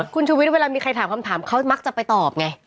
คุณชูวิทย์เวลามีใครถามคำถามเขามักจะไปตอบไง